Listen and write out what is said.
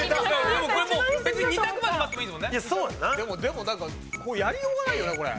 でもなんかやりようがないよねこれ。